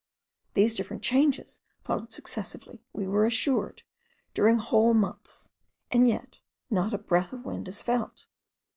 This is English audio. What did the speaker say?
These different changes follow successively, we were assured, during whole months, and yet not a breath of wind is felt.